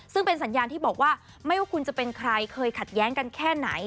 ซึ่งเป็นสัญญาณที่บอกว่าไม่ว่าคุณจะเป็นใครเคยขัดแย้งกันแค่ไหน